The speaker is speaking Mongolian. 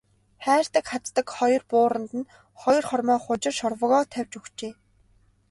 Хайрдаг хаздаг хоёр бууранд нь хоёр хормой хужир шорвогоо тавьж өгчээ.